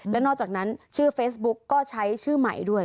และนอกจากนั้นชื่อเฟซบุ๊กก็ใช้ชื่อใหม่ด้วย